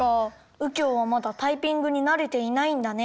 うきょうはまだタイピングになれていないんだね。